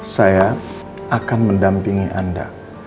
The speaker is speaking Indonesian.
saya akan mendampingi anda